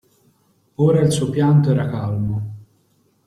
Ora il suo pianto era calmo.